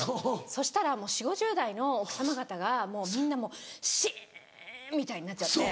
そしたらもう４０５０代の奥様方がもうみんなもうシンみたいになっちゃって。